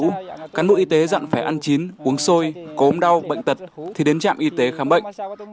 các cán bộ y tế dặn phải ăn chín uống sôi cốm đau bệnh tật thì đến trạm y tế khám bệnh